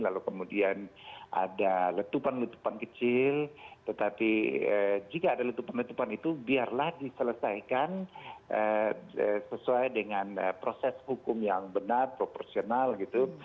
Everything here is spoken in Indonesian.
lalu kemudian ada letupan letupan kecil tetapi jika ada letupan letupan itu biarlah diselesaikan sesuai dengan proses hukum yang benar proporsional gitu